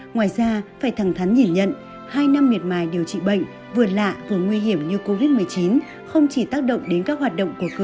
ngoài ra phải thẳng thắn nhìn nhận hai năm miệt mài điều trị bệnh vừa lạ vừa nguy hiểm như covid một mươi chín không chỉ tác động đến các hoạt động của các bệnh viện